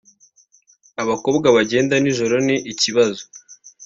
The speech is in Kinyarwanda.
abakobwa bagenda nijoro ni ikibazo